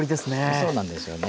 そうなんですよね。